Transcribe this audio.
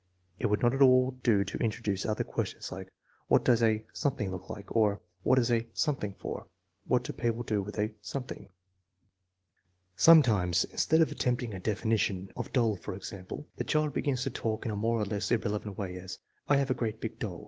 It would not at all do to introduce other questions, like, " What does a ... look like ?" or, " What is a ... for ?"" What do people do with a ...?" Sometimes, instead of attempting a definition (of doll, for example), the child begins to talk in a more or less ir relevant way, as, " I have a great big doll.